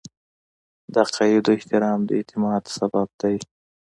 د عقایدو احترام د اعتماد سبب دی.